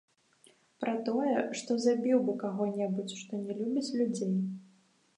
Пра тое, што забіў бы каго-небудзь, што не любіць людзей.